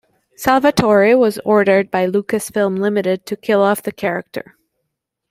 Salvatore was ordered by Lucasfilm Limited to kill off the character.